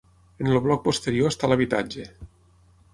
En el bloc posterior està l'habitatge.